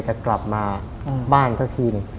จะกลับมาบ้านเท่าที